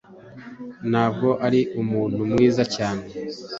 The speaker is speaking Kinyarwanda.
Ntabwo ari umuntu mwiza cyane